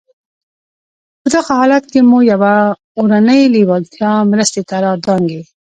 په دغه حالت کې مو يوه اورنۍ لېوالتیا مرستې ته را دانګي.